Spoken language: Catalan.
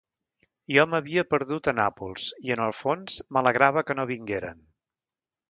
Jo m'havia perdut a Nàpols i, en el fons, m'alegrava que no vingueren.